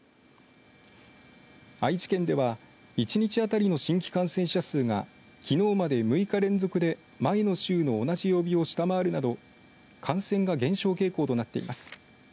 愛知県では１日当たりの新規感染者数がきのうまで、６日連続で前の週の同じ曜日を下回るなど感染が減少傾向となっています。